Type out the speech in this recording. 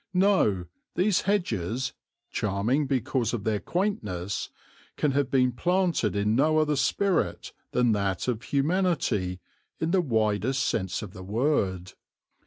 No these hedges, charming because of their quaintness, can have been planted in no other spirit than that of humanity, in the widest sense of the word.